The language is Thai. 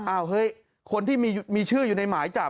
เฮ้ยคนที่มีชื่ออยู่ในหมายจับ